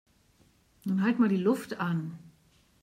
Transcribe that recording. Nun halt mal die Luft an!